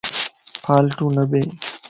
فالٽو نه ٻي